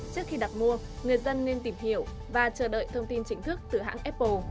trước khi đặt mua người dân nên tìm hiểu và chờ đợi thông tin chính thức từ hãng apple